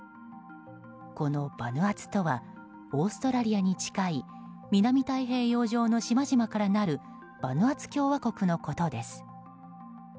このバヌアツとはオーストラリアに近い南太平洋上の島々からなるバヌアツ共和国のことです。